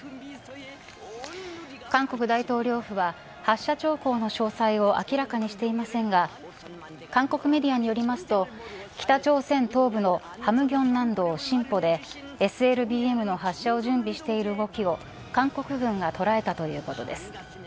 韓国大統領府は発射兆候の詳細を明らかにしていませんが韓国メディアによりますと北朝鮮東部の咸鏡南道、新浦でＳＬＢＭの発射を準備している動きを韓国軍が捉えたということです。